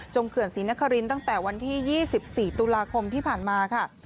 เขื่อนศรีนครินตั้งแต่วันที่๒๔ตุลาคมที่ผ่านมาค่ะ